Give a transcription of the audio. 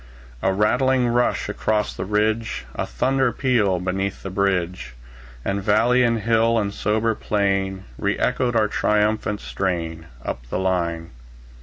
A rattling rush across the ridge, A thunder peal beneath the bridge; And valley and hill and sober plain Re echoed our triumphant strain, Up the line.